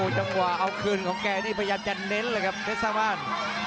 จังหวะกำลังเอาคืนของนักท่านภรรยากับเขาเน้นเลยครับเพชรสักบ้าน